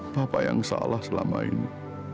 bapak yang salah selama ini